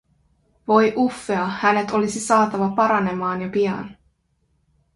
Voi Uffea, hänet olisi saatava paranemaan ja pian.